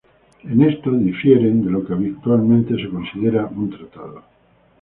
En esto son diversos de lo que habitualmente se considera un tratado.